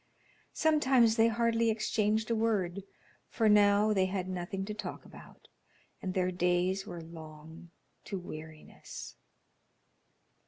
Sometimes they hardly exchanged a word, for now they had nothing to talk about, and their days were long to weariness.